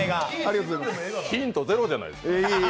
ヒントゼロじゃないですか。